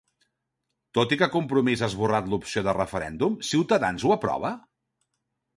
Tot i que Compromís ha esborrat l'opció de referèndum, Ciutadans ho aprova?